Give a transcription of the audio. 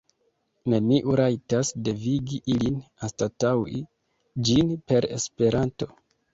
Neniu rajtas devigi ilin anstataŭi ĝin per Esperanto!